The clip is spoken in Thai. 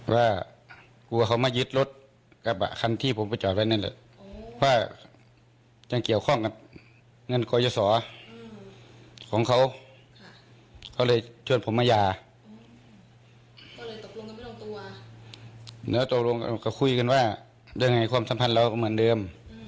แล้วตกลงก็คุยกันว่าด้วยไงความสัมพันธ์เราก็เหมือนเดิม